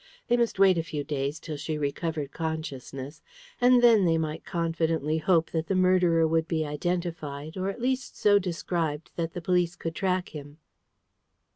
They must wait a few days till she recovered consciousness, and then they might confidently hope that the murderer would be identified, or at least so described that the police could track him.